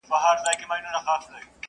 ځم د اوښکو په ګودر کي ګرېوانونه ښخومه،،!